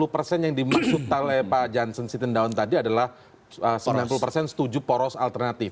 sembilan puluh persen yang dimaksudkan oleh pak janssen sitendaun tadi adalah sembilan puluh persen setuju poros alternatif